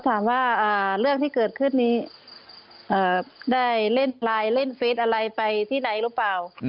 ถามว่าเรื่องที่เกิดขึ้นนี้ได้เล่นไลน์เล่นเฟสอะไรไปที่ไหนหรือเปล่า